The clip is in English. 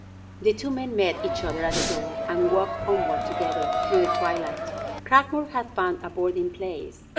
The two men met each other at the door, and walked homeward together through the twilight. Cragmore had found a boarding place.